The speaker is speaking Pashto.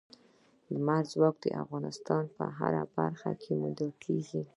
لمریز ځواک د افغانستان په هره برخه کې موندل کېږي.